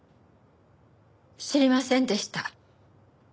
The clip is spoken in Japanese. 知りませんでした。